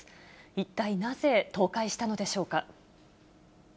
一体なぜ、倒壊したのでしょうか。